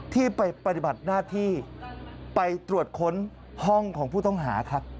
ที่ไปปฏิบัติหน้าที่ไปตรวจค้นห้องของผู้ต้องหาครับ